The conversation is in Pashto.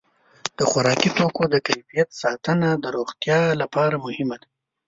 د خوراکي توکو د کیفیت ساتنه د روغتیا لپاره مهمه ده.